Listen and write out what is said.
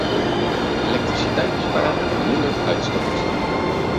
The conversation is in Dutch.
Elektriciteit besparen vermindert uitstoot